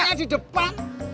gue nanya di depan